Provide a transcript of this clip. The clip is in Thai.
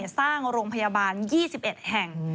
สร้างโรงพยาบาล๒๑แห่ง